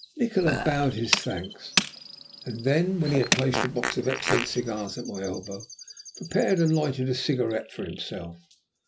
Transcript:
Nikola bowed his thanks, and then, when he had placed a box of excellent cigars at my elbow, prepared and lighted a cigarette for himself.